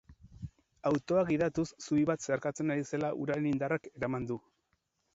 Autoa gidatuz zubi bat zeharkatzen ari zela uraren indarrak eraman du.